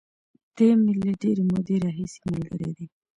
دی مې له ډېرې مودې راهیسې ملګری دی.